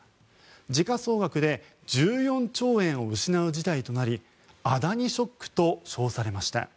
時価総額で１４兆円を失う事態となりアダニ・ショックと称されました。